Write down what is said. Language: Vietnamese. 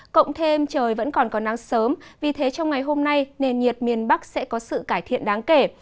cộng thêm trời vẫn còn có nắng sớm vì thế trong ngày hôm nay nền nhiệt miền bắc sẽ có sự cải thiện đáng kể